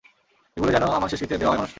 এগুলো যেন আমার শেষকৃত্যে দেওয়া হয় মানুষকে।